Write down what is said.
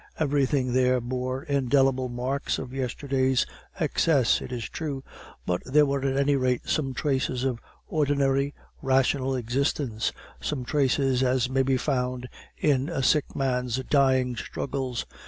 Everything there bore indelible marks of yesterday's excess, it is true, but there were at any rate some traces of ordinary, rational existence, such traces as may be found in a sick man's dying struggles.